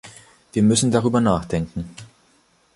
Wir müssen darüber nachdenken!